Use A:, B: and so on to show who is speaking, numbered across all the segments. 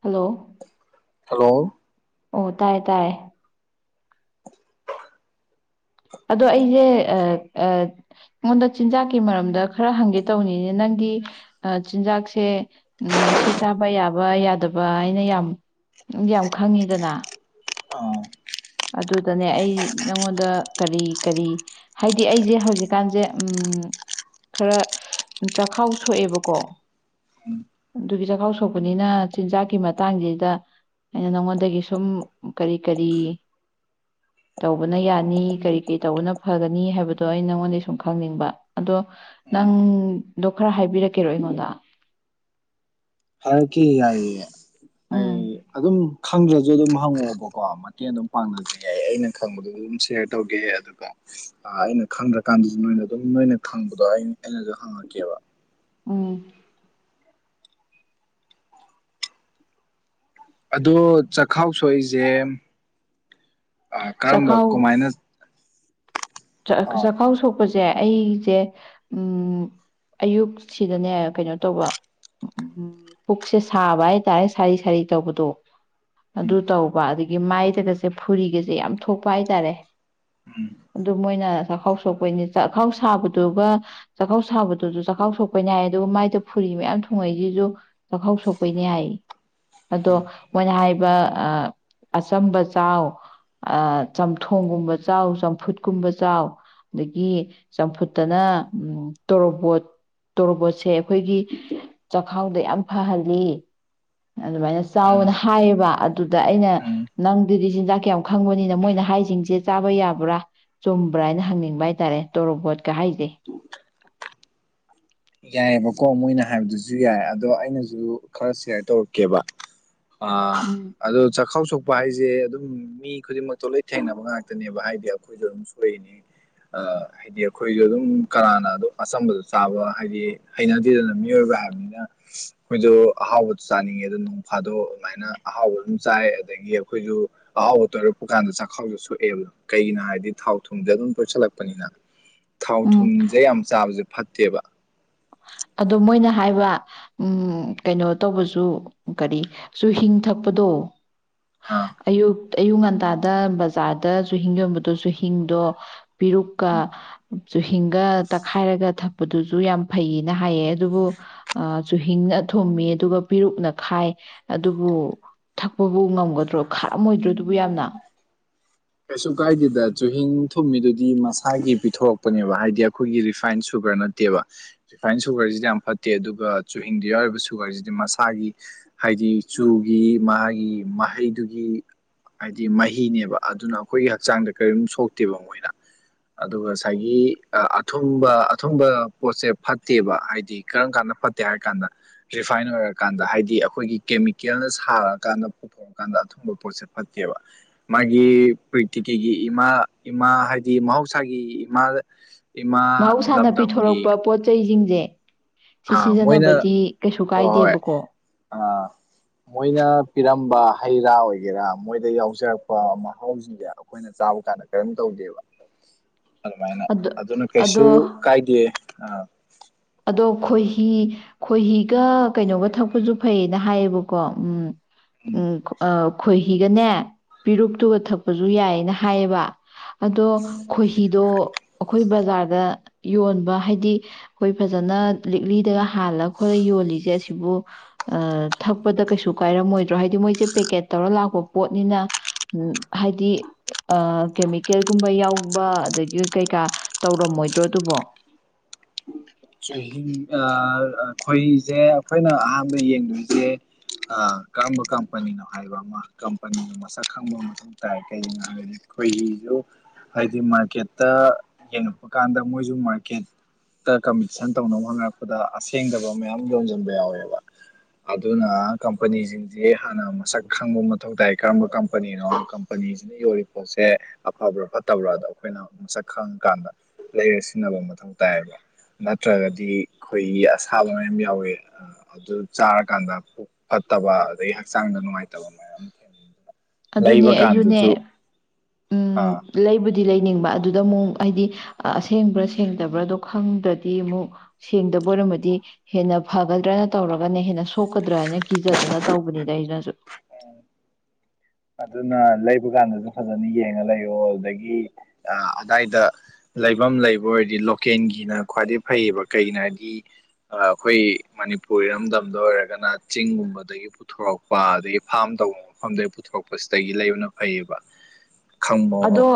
A: hello
B: hello
A: ꯑꯣ ꯇꯥꯏꯌꯦ ꯇꯥꯏꯌꯦ ꯑꯗꯣ ꯑꯩꯁꯦ ꯑꯩꯉꯣꯟꯗ ꯆꯤꯟꯖꯥꯛꯀꯤ ꯃꯔꯝꯗ ꯈꯔ ꯍꯪꯒꯦ ꯇꯧꯕꯅꯤꯅꯦ ꯅꯪꯒꯤ ꯆꯤꯟꯖꯥꯛꯁꯦ ꯁꯤ ꯆꯥꯕ ꯌꯥꯕ ꯌꯥꯗꯕ ꯍꯥꯏꯅ ꯌꯥꯝ ꯌꯥꯝ ꯈꯪꯉꯤꯗꯅ
B: ꯑꯥ
A: ꯑꯗꯨꯗꯅꯦ ꯑꯩ ꯅꯪꯉꯣꯟꯗ ꯀꯔꯤ ꯀꯔꯤ ꯍꯥꯏꯗꯤ ꯑꯩꯁꯦ ꯍꯧꯖꯤꯛꯀꯥꯟꯁꯦ ꯎ ꯈꯔ ꯆꯈꯥꯎ ꯁꯣꯛꯑꯦꯕꯀꯣ ꯑꯗꯨꯒꯤ ꯆꯥꯛꯈꯥꯎ ꯁꯣꯛꯄꯅꯤꯅ ꯆꯤꯟꯖꯥꯛꯀꯤ ꯃꯇꯥꯡꯁꯤꯗ ꯑꯩꯅ ꯅꯉꯣꯟꯗꯒꯤ ꯁꯨꯝ ꯀꯔꯤ ꯀꯔꯤ ꯇꯧꯕꯅ ꯌꯥꯅꯤ ꯀꯔꯤ ꯀꯔꯤ ꯇꯧꯕꯅ ꯐꯒꯅꯤ ꯍꯥꯏꯕꯗꯣ ꯑꯩꯅ ꯅꯪꯉꯣꯟꯗꯒꯤꯩ ꯁꯨꯝ ꯈꯪꯅꯤꯡꯕ ꯑꯗꯣ ꯅꯪꯗꯣ ꯈꯔ ꯍꯥꯏꯕꯤꯔꯛꯀꯦꯔꯣ ꯑꯩꯉꯣꯟꯗ
B: ꯍꯔꯀꯤ ꯍꯥꯏꯏ
A: ꯎꯝ
B: ꯑꯩ ꯑꯗꯨꯝ ꯈꯪꯗ꯭ꯔꯁꯨ ꯑꯗꯨꯝ ꯍꯪꯉꯛꯑꯣꯕꯀꯣ ꯃꯇꯦꯡ ꯑꯗꯨꯝ ꯄꯥꯡꯅꯖ ꯌꯥꯏ ꯑꯩꯅ ꯈꯪꯕꯗꯁꯨ ꯑꯗꯨꯝ ꯁꯦꯌꯥꯔ ꯇꯧꯒꯦ ꯑꯗꯨꯒ ꯑꯩꯅ ꯈꯪꯗ꯭ꯔꯀꯥꯟꯗꯁꯨ ꯅꯣꯏꯅ ꯑꯗꯨꯝ ꯅꯣꯏꯅ ꯈꯪꯕꯗꯣ ꯑꯩ ꯑꯩꯅꯁꯨ ꯍꯪꯉꯛꯀꯦꯕ
A: ꯎꯝ
B: ꯑꯗꯣ ꯆꯈꯥꯎ ꯁꯣꯛꯏꯁꯦ ꯑ ꯀꯔꯝꯕ ꯀꯃꯥꯏꯅ
A: ꯆ
B: ꯑꯥ
A: ꯆ ꯈꯥꯎ ꯁꯣ ꯊꯣꯛꯄꯁꯦ ꯑꯩꯁꯦ ꯎ ꯑꯌꯨꯛ ꯁꯤꯗꯅꯦ ꯀꯩꯅꯣ ꯇꯧꯕ ꯄꯨꯛꯁꯦ ꯁꯥꯕ ꯍꯥꯏ ꯇꯔꯦ ꯁꯥꯔꯤ ꯁꯥꯔꯤ ꯇꯧꯕꯗꯣ
B: ꯎꯝ
A: ꯑꯗꯨ ꯇꯧꯕ ꯑꯗꯒꯤ ꯃꯥꯏꯗꯒꯁꯦ ꯐꯨꯔꯤꯒꯁꯦ ꯌꯥꯝ ꯊꯣꯛꯄ ꯍꯥꯏ ꯇꯔꯦ
B: ꯎꯝ
A: ꯑꯗꯨ ꯃꯣꯏꯅ ꯆꯥꯛꯈꯥꯎ ꯁꯣꯛꯄꯩꯅꯤ ꯆꯥꯛꯈꯥꯎ ꯁꯥꯕꯗꯨꯒ ꯆꯥꯛꯈꯥꯎ ꯁꯥꯕꯗꯨꯁꯨ ꯆꯥꯛꯈꯥꯎ ꯁꯣꯛꯄꯩꯅꯤ ꯍꯥꯏ ꯑꯗꯨꯒ ꯃꯥꯏꯗ ꯐꯨꯔꯤ ꯃꯌꯥꯝ ꯊꯨꯡꯉꯛꯏꯁꯤꯁꯨ ꯆꯥꯛꯈꯥꯎ ꯁꯣꯛꯄꯩꯅꯤ ꯍꯥꯏ ꯑꯗꯣ ꯃꯣꯏꯅ ꯍꯥꯏ ꯑꯆꯝꯕ ꯆꯥꯎ ꯆꯝꯊꯣꯡꯒꯨꯝꯕ ꯆꯥꯎ ꯆꯝꯐꯨꯠ ꯀꯨꯝꯕ ꯆꯥꯎ ꯑꯗꯒꯤ ꯆꯝꯐꯨꯠꯇꯅ ꯇꯣꯔꯣꯕꯣꯠ ꯇꯣꯔꯣꯕꯣꯠꯁꯦ ꯑꯩꯈꯣꯏꯒꯤ ꯆꯈꯥꯎꯗ ꯌꯥꯝ ꯐꯍꯜꯂꯤ ꯑꯗꯨꯃꯥꯏꯅ
B: ꯎꯝ
A: ꯆꯥꯎꯅ ꯍꯥꯏꯌꯦꯕ ꯑꯗꯨꯗ ꯑꯩꯅ
B: ꯎꯝ
A: ꯅꯪꯗꯨꯗꯤ ꯆꯤꯟꯖꯥꯛ ꯀꯌꯥꯝ ꯈꯪꯕꯅꯤꯅ ꯃꯣꯏꯅ ꯍꯥꯏꯁꯤꯡꯁꯦ ꯆꯥꯕ ꯌꯥꯕ꯭ꯔꯥ ꯆꯨꯝꯕ꯭ꯔꯥ ꯍꯥꯏꯅ ꯍꯪꯅꯤꯡꯕ ꯍꯥꯏꯇꯥꯔꯦ ꯇꯣꯔꯣꯕꯣꯠꯀ ꯍꯥꯏꯖꯦ
B: ꯌꯥꯏꯌꯦꯕꯀꯣ ꯃꯣꯏꯅ ꯍꯥꯏꯕꯗꯨꯁꯨ ꯌꯥꯏ ꯑꯗꯣ ꯑꯩꯅꯁꯨ ꯈꯔ ꯁꯤꯌꯥꯔ ꯇꯧꯔꯛꯀꯦꯕ ꯑ
A: ꯎꯝ
B: ꯑꯗꯣ ꯆꯈꯥꯎ ꯁꯣꯛ ꯄꯥ ꯍꯥꯏꯁꯦ ꯑꯗꯨꯝ ꯃꯤ ꯈꯨꯗꯤꯡꯃꯛꯇꯣ ꯂꯣꯏ ꯊꯦꯡꯅꯕ ꯉꯥꯛꯇꯅꯦꯕ ꯍꯥꯏꯗꯤ ꯑꯩꯈꯣꯏꯁꯨ ꯑꯗꯨꯝ ꯁꯣꯏꯔꯤꯅꯝ ꯍꯥꯏꯗꯤ ꯑꯩꯈꯣꯏꯁꯨ ꯑꯗꯨꯝ ꯀꯅꯥꯅ ꯑꯗꯨꯝ ꯑꯆꯝꯕꯗꯣ ꯆꯥꯕ ꯍꯥꯏꯗꯤ ꯍꯩꯅꯗꯦꯗꯅ ꯃꯤꯑꯣꯏꯕ ꯍꯥꯏꯕꯅꯤꯅ ꯑꯩꯈꯣꯏꯗꯣ ꯑꯍꯥꯎꯕꯗ ꯆꯥꯅꯤꯡꯉꯦ ꯑꯗꯣ ꯅꯣꯡꯐꯥꯗꯣꯛ ꯑꯗꯨꯃꯥꯏꯅ ꯑꯍꯥꯎꯕ ꯑꯗꯨꯝ ꯆꯥꯏ ꯑꯗꯒꯤ ꯑꯩꯈꯣꯏꯁꯨ ꯑꯍꯥꯎꯕ ꯇꯣꯏꯔꯛꯄ ꯀꯥꯟꯗ ꯆꯥꯛꯈꯥꯎꯁꯨ ꯁꯣꯛꯑꯦꯕ ꯀꯩꯒꯤꯅꯣ ꯍꯥꯏꯗꯤ ꯊꯥꯎ ꯊꯨꯝꯗꯣ ꯑꯗꯨꯝ ꯇꯣꯏꯁꯤꯜꯂꯛꯄꯅꯤꯅ ꯊꯥꯎ
A: ꯎꯝ
B: ꯊꯨꯝꯖꯦ ꯌꯥꯝ ꯆꯥꯕꯖꯦ ꯐꯠꯇꯦꯕ
A: ꯑꯗꯣ ꯃꯣꯏꯅ ꯍꯥꯏꯕ ꯎꯝ ꯀꯩꯅꯣ ꯇꯧꯕꯁꯨ ꯀꯔꯤ ꯆꯨꯍꯤꯡ ꯊꯛꯄꯗꯣ
B: ꯑꯥ
A: ꯑꯌꯨꯛ ꯑꯌꯨꯛ ꯉꯟꯇꯥꯗ ꯕꯖꯥꯔꯗ ꯆꯨꯍꯤꯡ ꯌꯣꯟꯕꯗꯣ ꯆꯨꯍꯤꯡꯗꯣ ꯄꯤꯔꯨꯛꯀ ꯆꯨꯍꯤꯡꯒ ꯇꯛꯈꯥꯏꯔꯒ ꯊꯛꯄꯗꯨꯁꯨ ꯌꯥꯝ ꯐꯩꯌꯦꯅ ꯍꯥꯏꯌꯦ ꯑꯗꯨꯕꯨ ꯑ ꯆꯨꯍꯤꯡꯅ ꯊꯨꯝꯃꯦ ꯑꯗꯨꯒ ꯄꯤꯔꯨꯛꯅ ꯈꯥꯏ ꯑꯗꯨꯕꯨ ꯊꯛꯄꯕꯨ ꯉꯝꯒꯗ꯭ꯔꯣ ꯈꯥꯑꯝꯃꯣꯏꯗ꯭ꯔꯣ ꯑꯗꯨꯕꯨ ꯌꯥꯝꯅ
B: ꯀꯩꯁꯨ ꯀꯥꯏꯗꯦꯗ ꯆꯨꯍꯤꯡ ꯊꯨꯝꯃꯤꯗꯨꯗꯤ ꯃꯁꯥꯒꯤ ꯄꯤꯊꯣꯔꯛꯄꯅꯦꯕ ꯍꯥꯏꯗꯤ ꯑꯩꯈꯣꯏꯒꯤ ꯔꯤꯐꯥꯏꯟ ꯁꯨꯒꯔ ꯅꯠꯇꯦꯕ ꯔꯤꯐꯥꯏꯟ ꯁꯨꯒꯔꯁꯤꯗꯤ ꯌꯥꯝ ꯐꯠꯇꯦ ꯑꯗꯨꯒ ꯆꯨꯍꯤꯡꯗꯨ ꯌꯥꯎꯔꯤꯕ ꯁꯨꯒꯔꯁꯤꯗꯤ ꯃꯁꯥꯒꯤ ꯍꯥꯏꯗꯤ ꯆꯨꯒꯤ ꯃꯥꯒꯤ ꯃꯍꯩꯗꯨꯒꯤ ꯍꯥꯏꯗꯤ ꯃꯍꯤꯅꯦꯕ ꯑꯗꯨꯅ ꯑꯩꯈꯣꯏꯒꯤ ꯍꯛꯆꯥꯡꯗ ꯀꯔꯤꯝ ꯁꯣꯛꯇꯦꯕ ꯃꯣꯏꯅ ꯑꯗꯨꯒ ꯉꯁꯥꯏꯒꯤ ꯑ ꯑꯊꯨꯝꯕ ꯑꯊꯨꯝꯕ ꯄꯣꯠꯁꯦ ꯐꯠꯇꯦꯕ ꯍꯥꯏꯗꯤ ꯀꯔꯝ ꯀꯥꯟꯗ ꯐꯠꯇꯦ ꯍꯥꯏꯔꯀꯥꯟꯗ ꯔꯤꯐꯥꯏꯟ ꯑꯣꯏꯔꯀꯥꯟꯗ ꯍꯥꯏꯗꯤ ꯑꯩꯈꯣꯏꯒꯤ ꯀꯦꯃꯤꯀꯦꯜꯅ ꯁꯥꯔꯀꯥꯟꯗ ꯄꯨꯊꯣꯛꯑꯀꯥꯟꯗ ꯑꯊꯨꯝꯕ ꯄꯣꯠꯁꯦ ꯐꯠꯇꯦꯕ ꯒꯤ ꯄ꯭ꯔꯤꯇꯤꯀꯤꯒꯤ ꯏꯃꯥ ꯏꯃꯥ ꯍꯥꯏꯗꯤ ꯃꯍꯧꯁꯥꯒꯤ ꯏꯃꯥꯗ
A: ꯃꯍꯧꯁꯥꯅ ꯄꯤꯊꯣꯔꯛꯄ ꯄꯣꯠ ꯆꯩꯖꯤꯡ ꯖꯦ
B: ꯑꯥ ꯃꯣꯏꯅ ꯍꯣꯏ ꯍꯣꯏ
A: ꯀꯥꯏꯗꯦꯕꯀꯣ
B: ꯑ ꯃꯣꯏꯅ ꯄꯤꯔꯝꯕ ꯍꯩ ꯔꯥ ꯑꯣꯏꯒꯦꯔꯥ ꯃꯣꯏꯗ ꯌꯥꯎꯖꯔꯛꯄ ꯃꯍꯥꯎꯁꯤꯡꯁꯦ ꯑꯩꯈꯣꯏꯅ ꯆꯥꯕ ꯀꯥꯟꯗ ꯀꯔꯝ ꯇꯧꯒꯦꯕ ꯑꯗꯨꯃꯥꯏꯅ
A: ꯑꯗꯣ
B: ꯑꯗꯨꯅ
A: ꯑꯗꯣ
B: ꯀꯩꯁꯨ ꯀꯥꯏꯗꯦ ꯑꯥ
A: ꯑꯗꯣ ꯈꯣꯏꯍꯤ ꯈꯣꯏꯍꯤꯒ ꯀꯩꯅꯣꯒ ꯊꯛꯄꯁꯨ ꯐꯩꯌꯦꯅ ꯍꯥꯏꯌꯦꯕꯀꯣ ꯎꯝ ꯎꯝ ꯑ ꯈꯣꯏꯍꯤꯒꯅꯦ ꯄꯤꯔꯨꯛꯇꯨꯒ ꯊꯛꯄꯁꯨ ꯌꯥꯏꯌꯦꯅ ꯍꯥꯏꯌꯦꯕ ꯑꯗꯣ ꯈꯣꯏꯍꯤꯗꯣ ꯑꯈꯣꯏ ꯕ ꯕꯖꯥꯔꯗ ꯌꯣꯟꯕ ꯍꯥꯏꯗꯤ ꯑꯩꯈꯣꯏ ꯐꯖꯅ ꯂꯤꯛꯂꯤꯗꯒ ꯍꯥꯜꯂ ꯈꯣꯠꯂ ꯌꯣꯜꯂꯤꯁꯦ ꯑꯁꯤꯕꯨ ꯊꯛꯄꯗ ꯀꯩꯁꯨ ꯀꯥꯏꯔꯝꯃꯣꯏꯗ꯭ꯔꯣ ꯍꯥꯏꯗꯤ ꯃꯣꯏꯁꯦ ꯄꯦꯛꯀꯦꯠ ꯇꯧꯔ ꯂꯥꯛꯄ ꯄꯣꯠꯅꯤꯅ ꯍꯥꯏꯗꯤ ꯑ ꯀꯦꯃꯤꯀꯦꯜꯒꯨꯝꯕ ꯌꯥꯎꯕ ꯑꯗꯒꯤ ꯀꯩꯀꯥ ꯇꯧꯔꯝꯃꯣꯏꯗ꯭ꯔꯣ ꯑꯗꯨꯕꯣ
B: ꯆꯨꯍꯤ ꯑ ꯈꯣꯏꯍꯤꯁꯦ ꯑꯩꯈꯣꯏꯅ ꯑꯍꯥꯟꯕ ꯌꯦꯡꯗꯣꯏꯁꯦ ꯑ ꯀꯔꯝꯕ ꯀꯝꯄꯅꯤꯅꯣ ꯍꯥꯏꯕ ꯑꯃ ꯀꯝꯄꯅꯤ ꯃꯁꯛ ꯈꯪꯕ ꯃꯊꯧ ꯇꯥꯏ ꯀꯩꯒꯤꯅꯣ ꯍꯥꯏꯕꯗꯤ ꯈꯣꯏꯍꯤꯗꯣ ꯍꯥꯏꯗꯤ ꯃꯥꯔꯀꯦꯠꯇ ꯌꯦꯡꯉꯛꯄ ꯀꯥꯟꯗ ꯃꯣꯏꯁꯨ ꯃꯥꯔꯀꯦꯠꯇ ꯀꯝꯄꯤꯇꯤꯁꯟ ꯇꯧꯅꯕ ꯍꯣꯠꯅꯔꯛꯄꯗ ꯑꯁꯦꯡꯗꯕ ꯃꯌꯥꯝ ꯌꯣꯟꯁꯤꯟꯕ ꯌꯥꯎꯋꯦꯕ ꯑꯗꯨꯅ ꯀꯝꯄꯅꯤꯁꯤꯡꯁꯦ ꯍꯥꯟꯅ ꯃꯁꯛ ꯈꯪꯕ ꯃꯊꯧ ꯇꯥꯏ ꯀꯔꯝꯕ ꯀꯝꯄꯅꯤꯅꯣ ꯀꯝꯄꯅꯤꯁꯤꯅ ꯌꯣꯂꯤ ꯄꯣꯠꯁꯦ ꯑꯐꯕ꯭ꯔꯥ ꯐꯠꯇꯕ꯭ꯔꯥꯗꯣ ꯑꯩꯈꯣꯏꯅ ꯃꯁꯛ ꯈꯪꯉꯀꯥꯟꯗ ꯂꯩꯔ ꯁꯤꯖꯤꯟꯅꯕ ꯃꯊꯧ ꯇꯥꯏꯌꯦꯕ ꯅꯠꯇ꯭ꯔꯒꯗꯤ ꯑꯩꯈꯣꯏꯒꯤ ꯑꯁꯥꯕ ꯃꯌꯥꯝ ꯌꯥꯎꯋꯦ ꯑꯗꯨ ꯆꯥꯔꯀꯥꯟꯗ ꯄꯨꯛ ꯐꯠꯇꯕ ꯑꯗꯒꯤ ꯍꯛꯆꯥꯡꯗ ꯅꯨꯡꯉꯥꯏꯇꯕ ꯃꯌꯥꯝ ꯊꯦꯡꯅꯩ [unintelligible]
A: ꯑꯗꯨꯅꯦ
B: ꯂꯩꯕ
A: ꯑꯩꯁꯨꯅꯦ
B: ꯀꯥꯟꯗꯁꯨ
A: ꯎꯝ ꯂꯩ ꯑꯗꯨꯗꯤ ꯂꯩꯅꯤꯡꯕ ꯑꯗꯨꯗ ꯑꯃꯨꯛ ꯍꯥꯏꯗꯤ ꯑꯁꯦꯡꯕ꯭ꯔꯥ ꯁꯦꯡꯗꯕ꯭ꯔꯥꯗꯣ ꯈꯪꯗ꯭ꯔꯗꯤ ꯑꯃꯨꯛ ꯁꯦꯡꯗꯕ ꯑꯣꯏꯔꯝꯃꯗꯤ ꯍꯦꯟꯅ ꯐꯒꯗ꯭ꯔꯅ ꯇꯧꯔꯒꯅ ꯍꯦꯟꯅ ꯁꯣꯛꯀꯗ꯭ꯔꯥ ꯍꯥꯏꯅ ꯀꯤꯖꯗꯅ ꯇꯧꯕꯅꯤꯗ ꯑꯩꯅꯁꯨ
B: ꯎꯝ ꯑꯗꯨꯅ ꯂꯩꯕ ꯀꯥꯟꯗꯁꯨ ꯐꯖꯅ ꯌꯦꯡꯉ ꯂꯩꯌꯣ ꯑꯗꯨꯗꯒꯤ ꯑꯗꯥꯏꯗ ꯂꯩꯐꯝ ꯂꯩꯕ ꯑꯣꯏꯔꯗꯤ ꯂꯣꯀꯦꯜꯒꯤꯅ ꯈ꯭ꯋꯥꯏꯗꯩ ꯐꯩꯌꯦꯕ ꯀꯩꯒꯤꯅꯣ ꯍꯥꯏꯗꯤ ꯑꯩꯈꯣꯏ ꯃꯅꯤꯄꯨꯔ ꯏꯔꯝꯗꯝꯗ ꯑꯣꯏꯔꯒꯅ ꯆꯤꯡꯒꯨꯝꯕꯗꯒꯤ ꯄꯨꯊꯣꯔꯛꯄ ꯑꯗꯒꯤ ꯐꯥꯔꯝ ꯇꯧꯕ ꯃꯐꯝꯗꯒꯤ ꯄꯨꯊꯣꯔꯛꯄ ꯁꯤꯗꯒꯤ ꯂꯩꯕꯅ ꯐꯩꯌꯦꯕ ꯈꯪꯕꯑꯣ
A: ꯑꯗꯣ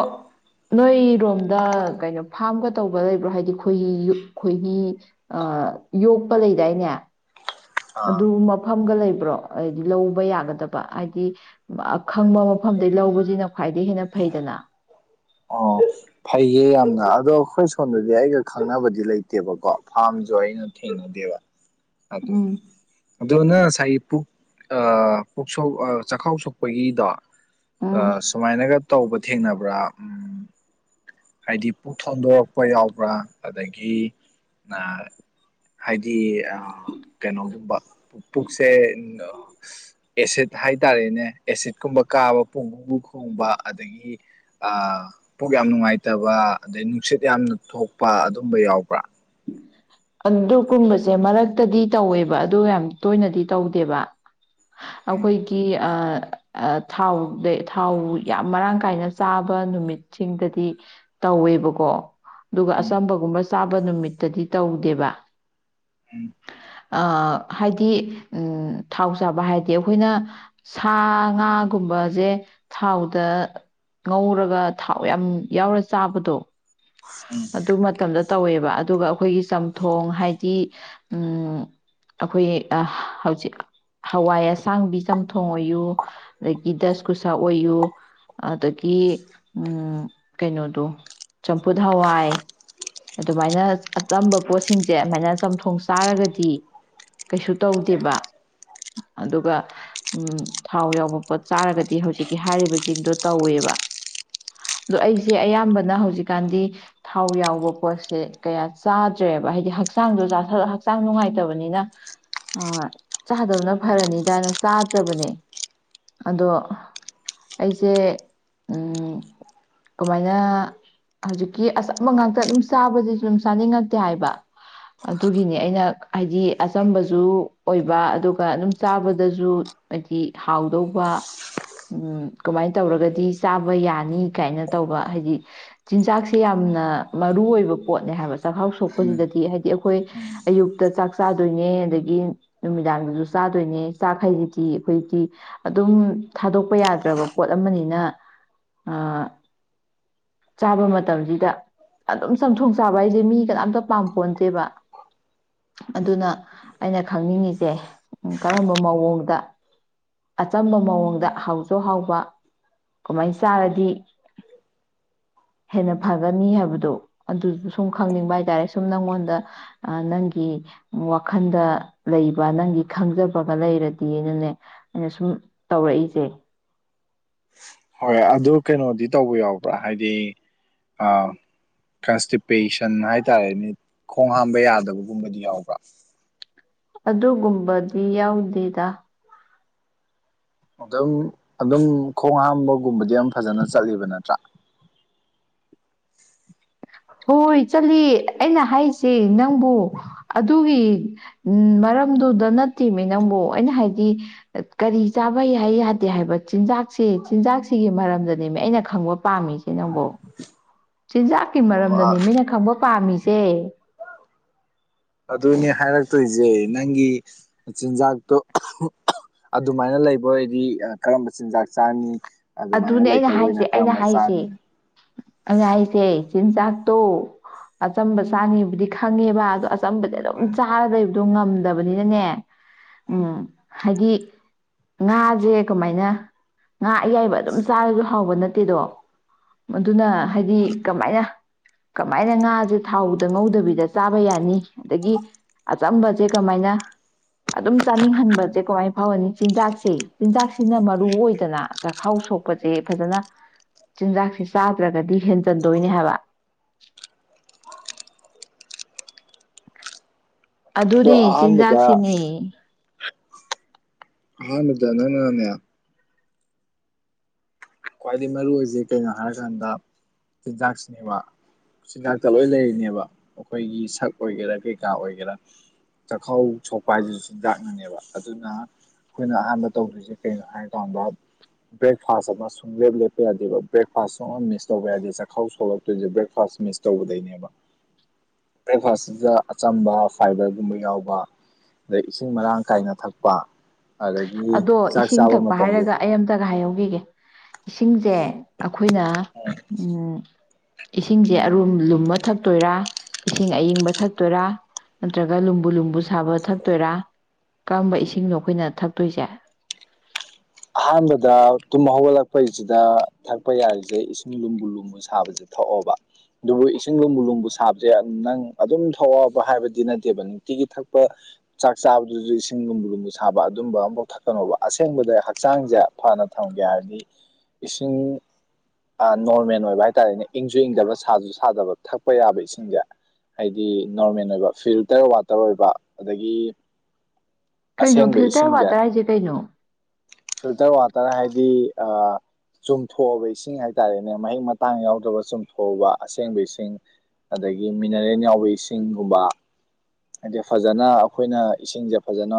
A: ꯅꯣꯏꯔꯣꯝꯗ ꯀꯩꯅꯣ ꯐꯥꯔꯝꯒ ꯇꯧꯕ ꯂꯩꯕ꯭ꯔꯣ ꯍꯥꯏꯗꯤ ꯈꯣꯏꯒꯤ ꯈꯣꯏꯒꯤ ꯌꯣꯛꯄ ꯂꯩꯗꯥꯏꯅꯦ
B: ꯑꯥ
A: ꯑꯗꯨ ꯃꯐꯝꯒ ꯂꯩꯕ ꯭ꯔꯣ ꯍꯥꯏꯗꯤ ꯂꯧꯕ ꯌꯥꯒꯗꯕ ꯍꯥꯏꯗꯤ ꯑꯈꯪꯕ ꯃꯐꯝꯗꯩ ꯂꯧꯕꯁꯤꯅ ꯈ꯭ꯋꯥꯏꯗꯒꯤ ꯍꯦꯟꯅ ꯐꯩꯗꯅ
B: ꯑꯣ ꯐꯩꯌꯦ ꯌꯥꯝꯅ ꯑꯗꯣ ꯑꯩꯈꯣꯏ ꯁꯣꯝꯗꯗꯤ ꯑꯩꯒ ꯈꯪꯅꯕꯗꯤ ꯂꯩꯇꯦꯕꯀꯣ ꯐꯥꯔꯝꯁꯨ ꯑꯩꯅ ꯊꯦꯡꯅꯗꯦꯕ
A: ꯎꯝ
B: ꯑꯗꯨꯗ ꯑꯗꯨꯅ ꯉꯁꯥꯏꯒꯤ ꯄꯨꯛ ꯆꯈꯥꯎ ꯁꯣꯛꯄꯒꯤꯗꯣ ꯑ
A: ꯎꯝ
B: ꯁꯨꯃꯥꯏꯅꯒ ꯇꯧꯕ ꯊꯦꯡꯅꯕ꯭ꯔꯥ ꯍꯥꯏꯗꯤ ꯄꯨꯛ ꯊꯣꯟꯗꯣꯔꯛꯄ ꯌꯥꯎꯕ꯭ꯔꯥ ꯑꯗꯒꯤ ꯍꯥꯏꯗꯤ ꯀꯩꯅꯣꯒꯨꯝꯕ ꯄꯨꯛꯁꯦ ꯑꯦꯁꯤꯠ ꯍꯥꯏ ꯇꯔꯦꯅꯦ ꯑꯦꯁꯤꯠꯀꯨꯝꯕ ꯀꯥꯕ ꯄꯨꯡꯒꯨꯝꯕꯨ ꯈꯣꯡꯕ ꯑꯗꯒꯤ ꯄꯨꯛ ꯌꯥꯝ ꯅꯨꯡꯉꯥꯏꯇ ꯐꯠꯇꯕ ꯑꯗꯩ ꯅꯨꯡꯁꯤꯠ ꯌꯥꯝꯅ ꯊꯣꯛꯄ ꯑꯗꯨꯝꯕ ꯌꯥꯎꯕ꯭ꯔꯥ
A: ꯑꯗꯨꯒꯨꯝꯕꯁꯦ ꯃꯔꯛꯇꯗꯤ ꯇꯧꯋꯦꯕ ꯑꯗꯨ ꯌꯥꯝ ꯇꯣꯏꯅꯗꯤ ꯇꯧꯗꯦꯕ
B: ꯎꯝ
A: ꯑꯩꯈꯣꯏꯒꯤ ꯑ ꯊꯥꯎꯗ ꯊꯥꯎ ꯌꯥꯝ ꯃꯔꯥꯡ ꯀꯥꯏꯅ ꯆꯥꯕ ꯅꯨꯃꯤꯠꯁꯤꯡꯗꯗꯤ ꯇꯧꯋꯦꯕꯀꯣ ꯑꯗꯨꯒ
B: ꯎꯝ
A: ꯑꯁꯝꯕꯒꯨꯝꯕ ꯆꯥꯕ ꯅꯨꯃꯤꯠ ꯇꯗꯤ ꯇꯧꯗꯦꯕ
B: ꯎꯝ
A: ꯑ ꯍꯥꯏꯗꯤ ꯎ ꯊꯥꯎ ꯆꯥꯕ ꯍꯥꯏꯗꯤ ꯑꯩꯈꯣꯏꯅ ꯁꯥ ꯉꯥꯒꯨꯝꯕꯁꯦ ꯊꯥꯎꯗ ꯉꯧꯔꯒ ꯊꯥꯎ ꯌꯥꯝ ꯌꯥꯎꯔꯦ ꯆꯥꯕꯗꯣ ꯑꯗꯨ ꯃꯇꯝꯗ ꯇꯧꯋꯦꯕ ꯑꯗꯨꯒ ꯑꯩꯈꯣꯏꯒꯤ ꯆꯝꯊꯣꯡ ꯍꯥꯏꯗꯤ ꯑꯩꯈꯣꯏ ꯍꯧꯖꯤꯛ ꯍꯋꯥꯏ ꯑꯁꯥꯡꯕꯤ ꯆꯝꯊꯣꯡ ꯑꯣꯏꯌꯨ ꯑꯗꯒꯤ ꯗꯁꯀꯨꯁꯥ ꯑꯣꯏꯌꯨ ꯑꯗꯒꯤ ꯀꯩꯅꯣꯗꯣ ꯆꯝꯐꯨꯠ ꯍꯋꯥꯏ ꯑꯗꯨꯃꯥꯏꯅ ꯑꯇꯝꯕ ꯄꯣꯠꯁꯤꯡꯁꯦ ꯑꯗꯨꯃꯥꯏꯅ ꯆꯝꯊꯣꯡ ꯆꯥꯔꯒꯗꯤ ꯀꯩꯁꯨ ꯇꯧꯗꯦꯕ ꯑꯗꯨꯒ ꯊꯥꯎ ꯌꯥꯎꯕ ꯄꯣꯠ ꯆꯥꯔꯒꯗꯤ ꯍꯧꯖꯤꯛꯀꯤ ꯍꯥꯏꯔꯤꯕꯁꯤꯡꯗꯣ ꯇꯧꯋꯦꯕ ꯑꯗꯣ ꯑꯩꯁꯦ ꯑꯌꯥꯝꯕꯅ ꯍꯧꯖꯤꯛꯀꯥꯟꯗꯤ ꯊꯥꯎ ꯌꯥꯎꯕ ꯄꯣꯠꯁꯦ ꯀꯌꯥ ꯆꯥꯗ꯭ꯔꯦꯕ ꯍꯥꯏꯗꯤ ꯍꯛꯆꯥꯡꯗꯣ ꯍꯛꯆꯥꯡ ꯅꯨꯡꯉꯥꯏꯇꯕꯅꯤꯅ ꯆꯥꯗꯕꯅ ꯐꯔꯅꯤꯗꯥꯥꯏꯅ ꯆꯥꯗ꯭ꯔꯕꯅꯦ ꯑꯗꯣ ꯑꯩꯁꯦ ꯀꯃꯥꯏꯅ ꯍꯧꯖꯤꯛꯀꯤ ꯑꯆꯝꯝꯕ ꯉꯥꯛꯇ ꯑꯗꯨꯝ ꯆꯥꯕꯗꯤꯁꯨ ꯑꯗꯨꯝ ꯆꯥꯅꯤꯡꯉꯛꯇꯦ ꯍꯥꯏꯕ ꯑꯗꯨꯒꯤꯅꯤ ꯑꯩꯅ ꯍꯥꯏꯗꯤ ꯑꯆꯝꯕꯁꯨ ꯑꯣꯏꯕ ꯑꯗꯨꯒ ꯑꯗꯨꯝ ꯆꯥꯕꯗꯁꯨ ꯍꯥꯏꯗꯤ ꯍꯥꯎꯗꯧꯕ ꯀꯃꯥꯏꯅ ꯇꯧꯔꯒꯗꯤ ꯆꯥꯕ ꯌꯥꯅꯤ ꯀꯥꯏꯅ ꯇꯧꯕ ꯍꯥꯏꯗꯤ ꯆꯤꯟꯖꯥꯛꯁꯦ ꯌꯥꯝꯅ ꯃꯔꯨ ꯑꯣꯏꯕ ꯄꯣꯠꯅꯦ ꯍꯥꯏꯕꯁꯦ ꯆꯥꯛꯍꯥꯎ
B: ꯎꯝ
A: ꯁꯣꯛꯄꯁꯤꯗꯗꯤ ꯍꯥꯏꯗꯤ ꯑꯩꯈꯣꯏ
B: ꯎꯝ
A: ꯑꯌꯨꯛꯇ ꯆꯥꯛ ꯆꯥꯗꯣꯏꯅꯦ ꯑꯗꯒꯤ ꯅꯨꯃꯤꯗꯥꯡꯗꯁꯨ ꯆꯥꯗꯣꯏꯅꯦ ꯆꯥꯛꯈꯩꯁꯤꯗꯤ ꯑꯩꯈꯣꯏꯛꯇꯤ ꯑꯗꯨꯝ ꯊꯥꯗꯣꯛꯄ ꯌꯥꯗ꯭ꯔꯕ ꯄꯣꯠ ꯑꯃꯅꯤꯅ ꯆꯥꯕ ꯃꯇꯝꯁꯤꯗ ꯑꯗꯨꯝ ꯆꯪꯊꯣꯡ ꯆꯥꯕ ꯍꯥꯏꯁꯦ ꯃꯤ ꯀꯅꯥꯝꯇ ꯄꯥꯝꯄꯣꯟꯇꯦꯕ ꯑꯗꯨꯅ ꯑꯩꯅ ꯈꯪꯅꯤꯡꯉꯤꯁꯦ ꯀꯔꯝꯕ ꯃꯑꯣꯡꯗ ꯑꯆꯝꯕ ꯃꯑꯣꯡꯗ ꯍꯥꯎꯁꯨ ꯍꯥꯎꯕ ꯀꯃꯥꯏꯅ ꯆꯥꯔꯗꯤ ꯍꯦꯟꯅ ꯐꯒꯅꯤ ꯍꯥꯏꯕꯗꯣ ꯑꯗꯨꯁꯨ ꯁꯨꯝ ꯈꯪꯅꯤꯡꯕ ꯍꯥꯏ ꯇꯥꯔꯦ ꯁꯨꯝ ꯅꯪꯉꯣꯟꯗ ꯅꯪꯒꯤ ꯋꯥꯈꯜꯗ ꯂꯩꯕ ꯅꯪꯒꯤ ꯈꯪꯖꯕꯒ ꯂꯩꯔꯗꯤꯅꯅꯦ ꯑꯩꯅ ꯁꯨꯝ ꯇꯧꯔꯛꯏꯁꯦ
B: ꯍꯣꯏ ꯑꯗꯨ ꯀꯩꯅꯣꯗꯤ ꯇꯧꯕ ꯌꯥꯎꯕ꯭ꯔꯥ ꯍꯥꯏꯗꯤ ꯀꯟꯁꯇꯤꯄꯦꯁꯟ ꯍꯥꯏꯇꯥꯔꯦꯅꯦ ꯈꯣꯡ ꯍꯥꯝꯕ ꯌꯥꯗꯕꯒꯨꯝꯕꯗꯤ ꯌꯥꯎꯕ꯭ꯔꯥ
A: ꯑꯗꯨꯒꯨꯝꯕꯗꯤ ꯌꯥꯎꯗꯦꯗ
B: ꯑꯗꯨꯝ ꯑꯗꯨꯝ ꯈꯣꯡ ꯍꯥꯝꯕꯒꯨꯝꯕꯗꯤ ꯌꯥꯝ ꯐꯖꯅ ꯆꯠꯂꯤꯕ ꯅꯠꯇ꯭ꯔꯥ
A: ꯍꯣꯏ ꯆꯠꯂꯤ ꯑꯩꯅ ꯍꯥꯏꯁꯦ ꯅꯪꯕꯨ ꯑꯗꯨꯒꯤ ꯃꯔꯝꯗꯨꯗ ꯅꯠꯇꯦꯅꯦ ꯅꯪꯕꯨ ꯑꯩꯅ ꯍꯥꯏꯗꯤ ꯀꯔꯤ ꯆꯥꯕꯩ ꯍꯥꯏ ꯌꯥꯗꯦ ꯍꯥꯏꯕ ꯆꯤꯟꯖꯥꯛꯁꯦ ꯆꯤꯟꯖꯥꯛꯁꯤꯒꯤ ꯃꯔꯝꯗꯅꯦꯃꯤ ꯑꯩꯅ ꯈꯪꯕ ꯄꯥꯝꯃꯤꯁꯦ ꯅꯪꯕꯣ ꯁꯤꯖ ꯃꯔꯝꯗꯅꯤ
B: ꯑꯣ
A: ꯃꯤꯅ ꯈꯪꯕ ꯄꯥꯝꯁꯦ
B: ꯑꯗꯨꯅꯦ ꯍꯥꯏꯔ ꯆꯠꯇꯣꯏꯁꯦ ꯅꯪꯒꯤ ꯆꯤꯟꯖꯥꯛꯇꯣ ꯑꯗꯨꯃꯥꯏꯅ ꯂꯩꯕ ꯑꯣꯏꯗꯤ ꯀꯔꯝꯕ ꯆꯤꯟꯖꯥꯛ ꯆꯥꯅꯤ ꯑꯗꯨꯃꯥꯏꯅ
A: ꯑꯗꯨꯅꯦ ꯑꯩꯅ
B: ꯂꯩꯇꯕ
A: ꯍꯥꯏꯁꯦ
B: ꯑꯣꯏꯅ
A: ꯑꯩꯅ
B: ꯀꯔꯝꯕ
A: ꯍꯥꯏꯔꯤꯁꯦ
B: ꯆꯥꯅꯤ
A: ꯑꯩꯅ ꯍꯥꯏꯁꯦ ꯆꯤꯟꯖꯥꯛ ꯇꯣ ꯑꯆꯝꯕ ꯆꯥꯉꯤꯕꯨꯗꯤ ꯈꯪꯉꯦꯕ ꯑꯗ ꯆꯝꯕ
B: ꯎꯝ
A: ꯆꯥꯗ ꯑꯗꯨ ꯉꯝꯗꯕꯅꯤꯅꯅꯦ ꯎꯝ ꯍꯥꯏꯗꯤ ꯉꯥꯁꯦ ꯀꯃꯥꯏꯅ ꯉꯥ ꯑꯌꯥꯏꯕ ꯑꯗꯨꯝ ꯆꯥꯔꯁꯨ ꯍꯥꯎꯕ ꯅꯠꯇꯦꯗꯣ ꯃꯗꯨꯅ ꯍꯥꯏꯗꯤ ꯀꯃꯥꯏꯅ ꯀꯃꯥꯏꯅ ꯉꯥꯁꯦ ꯊꯥꯎꯗ ꯉꯧꯗꯕꯤꯗ ꯆꯥꯕ ꯌꯥꯅꯤ ꯑꯗꯒꯤ ꯑꯆꯝꯕꯁꯦ ꯀꯃꯥꯏꯅ ꯑꯗꯨꯝ ꯆꯥꯅꯤꯡꯍꯟꯕꯁꯦ ꯀꯃꯥꯏꯅ ꯐꯥꯎꯔꯅꯤ ꯆꯤꯟꯖꯥꯛꯁꯦ ꯆꯤꯟꯖꯥꯛꯁꯤꯅ ꯃꯔꯨ ꯑꯣꯏꯗꯅ ꯆꯈꯥꯎ ꯁꯣꯛꯄ ꯁꯦ ꯐꯖꯅ ꯆꯤꯟꯖꯥꯛꯁꯦ ꯆꯥꯗ꯭ꯔꯒꯗꯤ ꯍꯦꯟꯖꯟꯗꯣꯏꯅꯦ ꯍꯥꯏꯕ ꯑꯗꯨꯅꯦ ꯆꯤꯟꯖꯥꯛꯁꯤꯅꯦ
B: ꯍꯥꯥ ꯃꯗꯥꯅ ꯅ ꯅꯅꯦ ꯈ꯭ꯋꯥꯏꯗꯒꯤ ꯃꯔꯨꯑꯣ ꯑꯣꯏꯁꯦ ꯀꯩꯅꯣ ꯍꯥꯏꯔꯀꯥꯟꯗ ꯆꯤꯟꯖꯥꯛꯁꯤꯅꯦꯕ ꯆꯤꯟꯖꯥꯛꯇ ꯂꯣꯏ ꯂꯩꯔꯤꯅꯦꯕ ꯑꯩꯈꯣꯏꯒꯤ ꯁꯛ ꯑꯣꯏꯒꯦꯔꯥ ꯀꯩꯀꯥ ꯑꯣꯏꯒꯦꯔꯥ ꯆꯥꯛꯈꯥꯎ ꯁꯣꯛꯄ ꯍꯥꯏꯁꯤꯁꯨ ꯆꯤꯟꯖꯥꯛꯅꯅꯦꯕ ꯑꯗꯨꯅ ꯑꯩꯈꯣꯏꯅ ꯑꯍꯥꯟꯕ ꯇꯧꯗ꯭ꯣꯏꯁꯦ ꯀꯩꯅꯣ ꯍꯥꯏꯔꯀꯥꯟꯗ ꯕ꯭ꯔꯦꯛꯐꯥꯁ ꯑꯃꯁꯨ ꯂꯦꯞ ꯂꯦꯞꯄ ꯌꯥꯗꯦꯕ ꯕ꯭ꯔꯦꯛꯐꯥꯁ ꯁ ꯃꯤꯁ ꯇꯧꯕ ꯌꯥꯗꯦ ꯆꯥꯛꯈꯥꯎ ꯁꯣꯛꯂꯛꯇꯣꯏꯁꯦ ꯕ꯭ꯔꯦꯛꯐꯥꯁ ꯃꯤꯁ ꯇꯧꯕꯗꯩꯅꯦꯕ ꯕ꯭ꯔꯦꯛꯐꯥꯁꯁꯤꯗ ꯑꯆꯝꯕ ꯐꯥꯏꯕꯔꯒꯨꯝꯕ ꯌꯥꯎꯕ ꯑꯗꯩ ꯏꯁꯤꯡ ꯃꯔꯥꯡ ꯀꯥꯏꯅ ꯊꯛꯄ ꯑꯗꯒꯤ
A: ꯑꯗꯣ
B: ꯆꯥꯛ
A: ꯏꯁꯤꯡ
B: ꯆꯥꯕ
A: ꯊꯛꯄ
B: ꯃꯇꯝꯁꯦ
A: ꯍꯥꯏꯔꯒ ꯑꯩ ꯑꯝꯇꯒ ꯍꯥꯏꯍꯧꯈꯤꯒꯦ ꯏꯁꯤꯡꯁꯦ ꯑꯩꯈꯣꯏꯅ ꯎ ꯏꯁꯤꯡꯁꯦ ꯑꯔꯨꯝ ꯂꯨꯝꯕ ꯊꯛꯇꯣꯏꯔꯥ ꯏꯁꯤꯡ ꯑꯏꯤꯡꯕ ꯊꯛꯇꯣꯏꯔꯥ ꯅꯠꯇ꯭ꯔꯒ ꯂꯨꯝꯕꯨ ꯂꯨꯝꯕꯨ ꯁꯥꯕ ꯊꯛꯇꯣꯏꯔꯥ ꯀꯔꯝꯕ ꯏꯁꯤꯡꯅꯣ ꯑꯩꯈꯣꯏꯅ ꯇꯣꯏꯖꯥ
B: ꯑꯍꯥꯟꯕꯗ ꯇꯨꯝ ꯍꯧꯒꯠꯂꯛꯄꯩꯁꯤꯗ ꯊꯛꯄ ꯌꯥꯔꯤꯁꯦ ꯏꯁꯤꯡ ꯂꯨꯝꯕꯨ ꯂꯨꯝꯕꯨ ꯁꯥꯕꯁꯦ ꯊꯣꯛꯑꯣꯕ ꯑꯗꯨꯕꯨ ꯏꯁꯤꯡ ꯂꯨꯝꯕꯨ ꯂꯨꯝꯕꯨ ꯁꯥꯕꯁꯦ ꯅꯪ ꯑꯗꯨꯝ ꯊꯣꯛꯑꯣꯕ ꯍꯥꯏꯕꯗꯤ ꯅꯠꯇꯦꯕ ꯅꯨꯡꯇꯤꯒꯤ ꯊꯛꯄ ꯆꯥꯛ ꯆꯥꯕꯗꯨꯁꯨ ꯏꯁꯤꯡ ꯂꯨꯝꯕꯨ ꯂꯨꯝꯕꯨ ꯁꯥꯕ ꯑꯗꯨꯝꯕ ꯑꯃꯐꯥꯎ ꯊꯛꯀꯅꯣꯕ ꯑꯁꯦꯡꯕꯗ ꯍꯛꯆꯥꯡꯁꯦ ꯐꯅ ꯊꯝꯒꯦ ꯍꯥꯏꯔꯗꯤ ꯏꯁꯤꯡ ꯅꯣꯔꯃꯦꯜ ꯑꯣꯏꯕ ꯍꯥꯏ ꯇꯥꯔꯦꯅꯦ ꯏꯪꯁꯨ ꯏꯪꯗꯕ ꯁꯥꯁꯨ ꯁꯥꯗꯕ ꯊꯛꯄ ꯌꯥꯕ ꯏꯁꯤꯡꯁꯦ ꯍꯥꯏꯗꯤ ꯅꯣꯔꯃꯦꯜ ꯑꯣꯏꯕ ꯐꯤꯜꯇꯔ ꯋꯥꯇꯔ ꯑꯣꯏꯕ ꯑꯗꯒꯤ
A: ꯀꯩꯅꯣ
B: ꯑꯁꯦꯡꯕ
A: ꯐꯤꯜꯇꯔ
B: ꯏꯁꯤꯡꯁꯦ
A: ꯋꯥꯇꯔ ꯍꯥꯏꯁꯦ ꯀꯩꯅꯣ
B: ꯐꯤꯜꯇꯔ ꯋꯥꯇꯔ ꯍꯥꯏꯗꯤ ꯆꯨꯝꯊꯣꯛꯑꯕ ꯏꯁꯤꯡ ꯍꯥꯏꯇꯥꯔꯦꯅꯦ ꯃꯍꯤꯛ ꯃꯇꯥꯡ ꯌꯥꯎꯗ꯭ꯔꯕ ꯆꯨꯝꯊꯣꯛꯑꯕ ꯑꯁꯦꯡꯕ ꯏꯁꯤꯡ ꯑꯗꯒꯤ ꯃꯤꯅꯔꯦꯜ ꯌꯥꯎꯕ ꯏꯁꯤꯡꯒꯨꯝꯕ ꯍꯥꯏꯗꯤ ꯐꯖꯅ ꯑꯩꯈꯣꯏꯅ ꯏꯁꯤꯡꯁꯦ ꯐꯖꯅ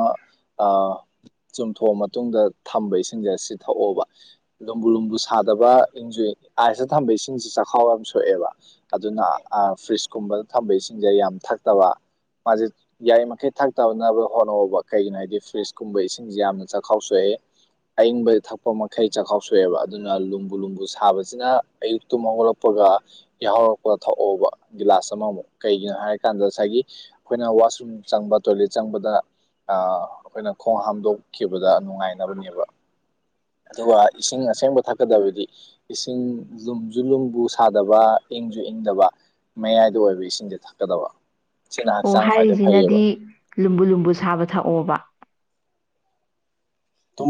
B: ꯆꯨꯝꯊꯣꯛꯑ ꯃꯇꯨꯡꯗ ꯊꯝꯕ ꯏꯁꯤꯡꯁꯦ ꯁꯤ ꯊꯛꯑꯣꯕ ꯂꯨꯝꯕꯨ ꯂꯨꯝꯕꯨ ꯁꯥꯗꯕ ꯏꯟꯖꯨ ꯑꯥꯏꯁꯇ ꯊꯝꯕ ꯏꯁꯤꯡꯁꯦ ꯆꯥꯛꯈꯥꯎ ꯌꯥꯝ ꯁꯣꯛꯑꯦꯕ ꯑꯗꯨꯅ ꯐ꯭ꯔꯤꯖꯀꯨꯝꯕꯗ ꯊꯝꯕ ꯏꯁꯤꯡꯁꯦ ꯌꯥꯝ ꯊꯛꯇꯕ ꯃꯥꯁꯦ ꯌꯥꯔꯤꯃꯈꯩ ꯊꯛꯇꯅꯕ ꯍꯣꯠꯅꯕ ꯀꯩꯒꯤꯅꯣ ꯍꯥꯏꯗꯤ ꯐ꯭ꯔꯤꯖꯀꯨꯝꯕ ꯏꯁꯤꯡꯁꯦ ꯌꯥꯝꯅ ꯆꯥꯛꯈꯥꯎ ꯁꯣꯛꯑꯦ ꯑꯌꯪꯕ ꯊꯛꯄ ꯃꯈꯩ ꯆꯥꯛꯈꯥꯎꯁꯣꯛꯑꯦꯕ ꯑꯗꯨꯅ ꯂꯨꯝꯕꯨ ꯂꯨꯝꯕꯨ ꯁꯥꯕꯁꯤꯅ ꯑꯌꯨꯛꯛꯇꯨꯝ ꯍꯧꯧꯔꯛꯄꯒ ꯌꯥꯍꯧꯔꯛꯄ ꯊꯛꯑꯣꯕ ꯒꯤꯂꯥꯁ ꯑꯃꯃꯨꯛ ꯀꯩꯒꯤꯅꯣ ꯍꯥꯏꯔꯀꯥꯟꯗ ꯉꯁꯥꯏꯒꯤ ꯑꯩꯈꯣꯏꯅ ꯋꯥꯁꯔꯨꯝ ꯆꯪꯕ ꯇꯣꯏꯂꯦꯠ ꯆꯪꯕꯗ ꯑꯩꯈꯣꯏꯅ ꯈꯣꯡ ꯍꯥꯝꯗꯣꯛꯈꯤꯕꯗ ꯅꯨꯡꯉꯥꯏ ꯊꯅꯕꯅꯦꯕ ꯑꯗꯨꯒ ꯏꯁꯤꯡ ꯑꯁꯦꯡꯕ ꯊꯛꯀꯗꯕꯗꯤ ꯏꯁꯤꯡ ꯂꯨꯝꯁꯨ ꯂꯨꯝꯕꯨ ꯁꯥꯗꯕ ꯏꯪꯁꯨ ꯏꯪꯗꯕ ꯃꯌꯥꯏꯗ ꯑꯣꯏꯕ ꯏꯁꯤꯡꯁꯦ ꯊꯛꯀꯗꯕ ꯁꯤꯅ
A: ꯑꯣ
B: ꯍꯛꯆꯥꯡ ꯈ꯭ꯋꯥꯏꯗꯩ
A: ꯍꯥꯏꯔꯤꯁꯤꯅꯗꯤ
B: ꯐꯩꯌꯦꯕ
A: ꯂꯨꯝꯕꯨ ꯂꯨꯝꯕꯨ ꯁꯥꯕ ꯊꯛꯑꯣꯕ
B: ꯇꯨꯝ